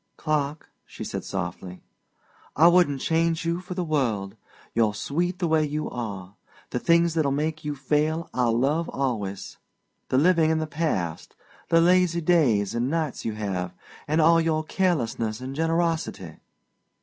"Clark," she said softly, "I wouldn't change you for the world. You're sweet the way you are. The things that'll make you fail I'll love always the living in the past, the lazy days and nights you have, and all your carelessness and generosity."